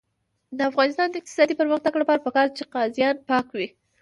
د افغانستان د اقتصادي پرمختګ لپاره پکار ده چې قاضیان پاک وي.